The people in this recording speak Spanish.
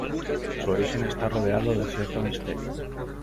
Su origen está rodeado de cierto misterio.